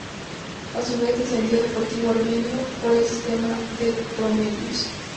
A su vez, descendió Deportivo Armenio por el sistema de promedios.